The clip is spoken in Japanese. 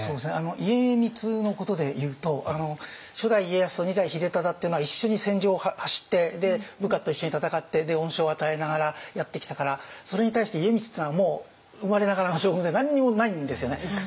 家光のことでいうと初代家康と二代秀忠っていうのは一緒に戦場を走って部下と一緒に戦って恩賞を与えながらやってきたからそれに対して家光っていうのはもう生まれながらの将軍で何にもないんですよね。